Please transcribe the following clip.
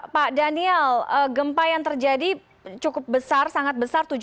pak daniel gempa yang terjadi cukup besar sangat besar